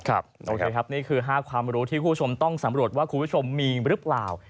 โอเคครับนี่คือ๕ความรู้ที่คุณผู้ชมต้องสำรวจว่าคุณผู้ชมมีหรือเปล่า